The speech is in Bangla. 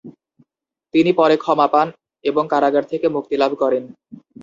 তিনি পরে ক্ষমা পান এবং কারাগার থেকে মুক্তিলাভ করেন।